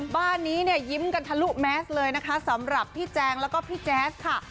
บ้านนี้เนี่ยยิ้มกันทะลุแมสเลยนะคะสำหรับพี่แจงแล้วก็พี่แจ๊สค่ะ